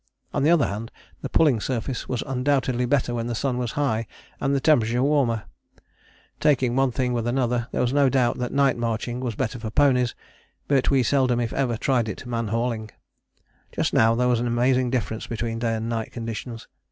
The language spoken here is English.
On the other hand the pulling surface was undoubtedly better when the sun was high and the temperature warmer. Taking one thing with another there was no doubt that night marching was better for ponies, but we seldom if ever tried it man hauling. [Illustration: CAMP ON THE BARRIER E. A. Wilson, del.] Just now there was an amazing difference between day and night conditions.